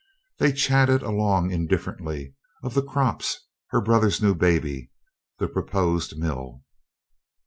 They chatted along indifferently, of the crops, her brother's new baby, the proposed mill.